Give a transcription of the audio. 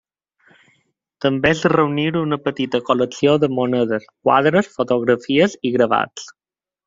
També es reuní una petita col·lecció de monedes, quadres, fotografies i gravats.